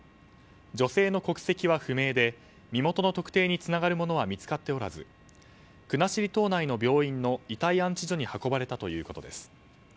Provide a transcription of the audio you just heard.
女性の国籍は不明で身元の特定につながるものは見つかっておらず国後島内の病院の遺体安置所に運ばれたということです。